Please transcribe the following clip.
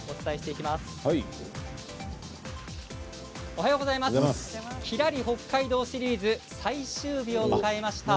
きらり北海道シリーズ最終日を迎えました。